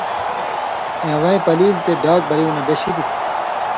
اِوَیں پلیل یی تے ڈاگ بلیُوں نہ بے شِدیۡ تھہ۔